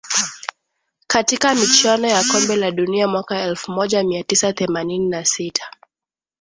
katika michuano ya kombe la dunia mwaka elfu moja mia tisa themanini na sita